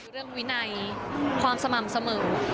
เรื่องวินัยความสม่ำเสมอ